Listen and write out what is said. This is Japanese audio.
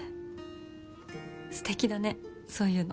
すてきだねそういうの。